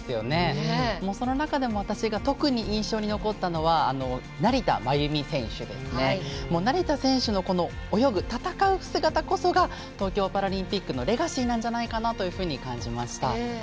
その中でも特に私が印象に残ったのが成田選手の泳ぐ戦う姿こそが東京パラリンピックのレガシーなんじゃないかなと感じました。